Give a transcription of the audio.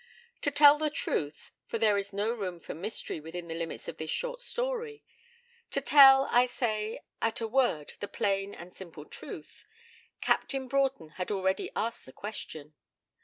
To tell the truth for there is no room for mystery within the limits of this short story, to tell, I say, at a word the plain and simple truth, Captain Broughton had already asked that question.